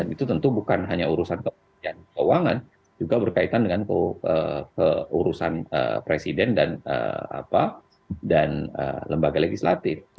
itu tentu bukan hanya urusan kementerian keuangan juga berkaitan dengan urusan presiden dan lembaga legislatif